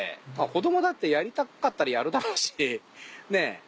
子どもだってやりたかったらやるだろうしね。